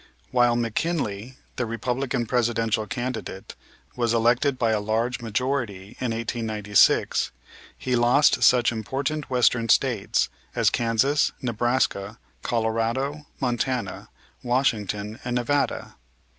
While McKinley, the Republican Presidential candidate, was elected by a large majority in 1896, he lost such important Western States as Kansas, Nebraska, Colorado, Montana, Washington and Nevada.